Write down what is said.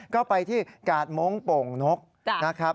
ก็ไปที่กาดมงค์โป่งนกนะครับ